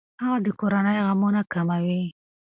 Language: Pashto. هغه د کورنۍ غمونه کموي.